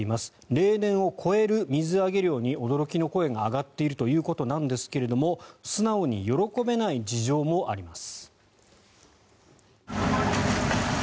例年を超える水揚げ量に驚きの声が上がっているということなんですが素直に喜べない事情もあります。